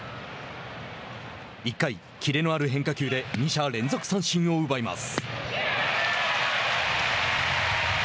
１回、キレのある変化球で２者連続三振を奪います。